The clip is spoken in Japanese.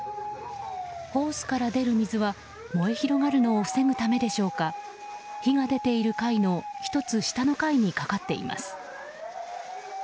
ホースから出る水は燃え広がるのを防ぐためでしょうか火が出ている階の１つ下の階にかかっています。